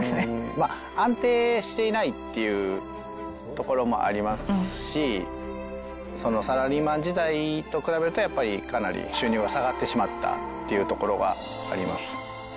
安定していないっていうところもありますし、そのサラリーマン時代と比べると、やっぱりかなり収入は下がってしまったっていうところがあります